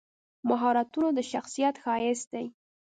مهارتونه د شخصیت ښایست دی.